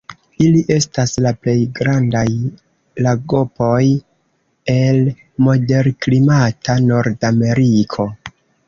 Ili estas la plej grandaj lagopoj el moderklimata Nordameriko.